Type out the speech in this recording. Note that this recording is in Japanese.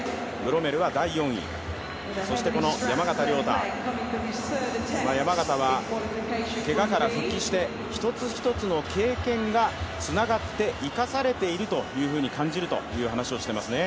ブロメルは第４位、そして山縣亮太、山縣は、けがから復帰して一つ一つの経験が繋がって生かされているというふうに感じるという話をしています。